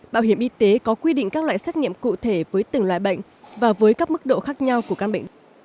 bảo hiểm y tế có quy định các loại xét nghiệm cụ thể với từng loại bệnh và với các mức độ khác nhau của căn bệnh